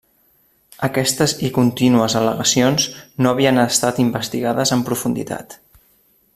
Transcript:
Aquestes i contínues al·legacions no havien estat investigades en profunditat.